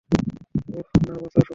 ওহ, না বাছা, অসম্ভব।